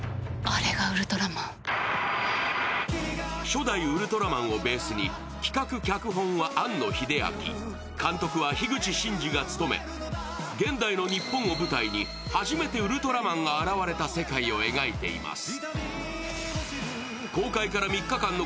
初代「ウルトラマン」をベースに企画・脚本は庵野秀明監督は樋口真嗣が務め、現代の日本を舞台に初めてウルトラマンが現れた世界を描いています。